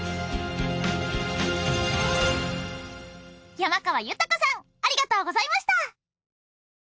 山川豊さんありがとうございました。